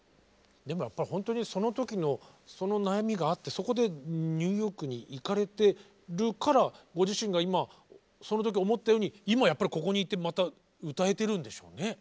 でもやっぱり本当にその時のその悩みがあってそこでニューヨークに行かれてるからご自身が今その時思ったように今やっぱりここにいてまた歌えてるんでしょうね。